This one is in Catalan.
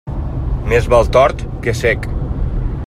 Més val tort que cec.